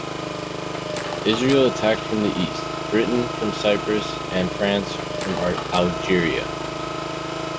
Israel attacked from the east, Britain from Cyprus and France from Algeria.